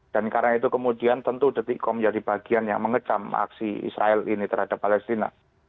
dan karena itu kemudian tentu detik kom jadi bagian yang mengecam aksi israel ini terhadap palestina